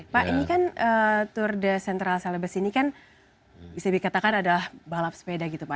pak ini kan tdcc ini kan bisa dikatakan adalah balap sepeda gitu pak